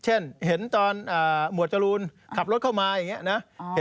เช่นเห็นตอนหมวดจรูนขับรถเข้ามาอย่างนี้นะ